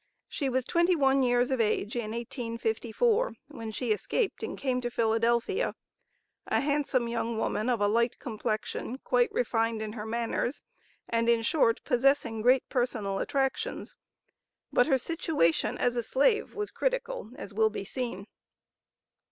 She was twenty one years of age in 1854, when she escaped and came to Philadelphia, a handsome young woman, of a light complexion, quite refined in her manners, and in short, possessing great personal attractions. But her situation as a slave was critical, as will be seen.